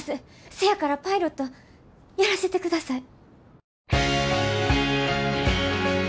せやからパイロットやらせてください。